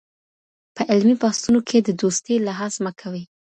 په علمي بحثونو کې د دوستۍ لحاظ مه کوئ.